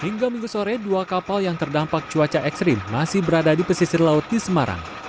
hingga minggu sore dua kapal yang terdampak cuaca ekstrim masih berada di pesisir laut di semarang